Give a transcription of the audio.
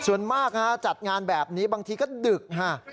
ส่วนมากจัดงานแบบนี้บางทีก็ดึกฮะ